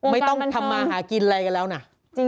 ไม่ต้องทำมาหากินอะไรกันแล้วนะวงการบรรเทิม